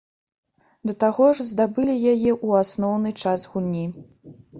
Да таго ж, здабылі яе ў асноўны час гульні.